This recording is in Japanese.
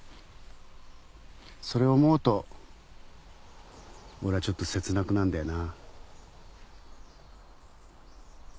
それ思うと俺はちょっと切なくなんだよな。